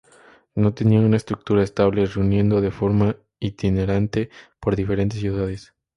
No tenía una estructura estable, reuniendo de forma itinerante por diferentes ciudades.